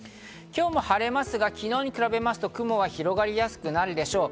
今日も晴れますが昨日に比べますと雲は広がりやすくなるでしょう。